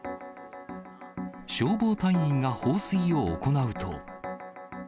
消防隊員が放水を行うと。